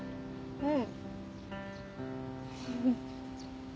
うん！